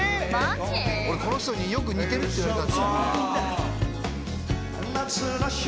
俺この人によく似てるって言われた。